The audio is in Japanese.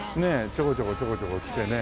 ちょこちょこちょこちょこ来てね。